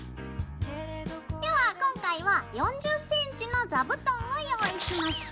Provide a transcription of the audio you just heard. では今回は４０ｃｍの座布団を用意しました。